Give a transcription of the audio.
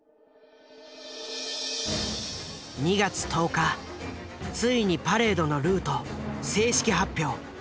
２月１０日ついにパレードのルート正式発表。